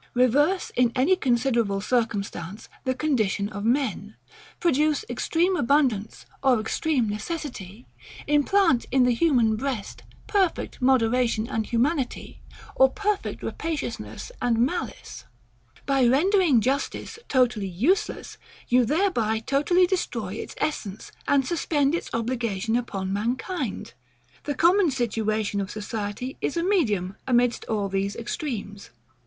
Reverse, in any considerable circumstance, the condition of men: Produce extreme abundance or extreme necessity: Implant in the human breast perfect moderation and humanity, or perfect rapaciousness and malice: By rendering justice totally USELESS, you thereby totally destroy its essence, and suspend its obligation upon mankind. The common situation of society is a medium amidst all these extremes.